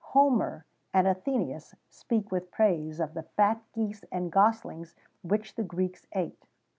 Homer[XVII 52] and Athenæus[XVII 53] speak with praise of the fat geese and goslings which the Greeks ate.